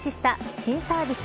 新サービス